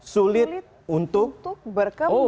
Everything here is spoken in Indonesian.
sulit untuk berkembang